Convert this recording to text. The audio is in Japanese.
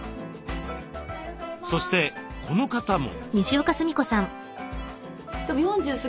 そしてこの方も。